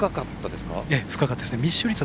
深かったですね。